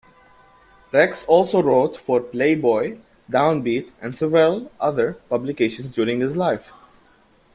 Rex also wrote for "Playboy", "Down Beat" and several other publications during his life.